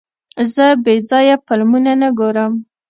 زه بېځایه فلمونه نه ګورم.